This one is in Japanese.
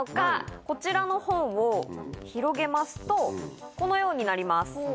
こちらの本を広げますとこのようになります